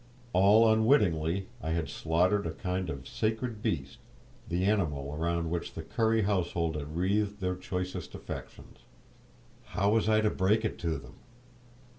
All unwittingly I had slaughtered a kind of sacred beast, the animal around which the Currie household had wreathed their choicest affections! How was I to break it to them?